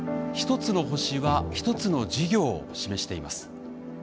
１つの星は１つの事業を示しています。